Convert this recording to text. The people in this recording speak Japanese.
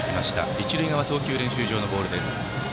一塁側投球練習場のボールです。